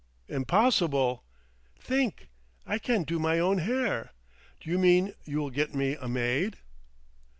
"Impossible!" "Think! I can't do my own hair! Do you mean you will get me a maid?"